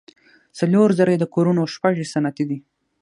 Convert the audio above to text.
څلور زره یې د کورونو او شپږ یې صنعتي ده.